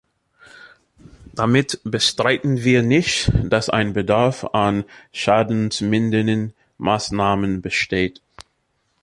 Damit bestreiten wir nicht, dass ein Bedarf an schadensmindernden Maßnahmen besteht.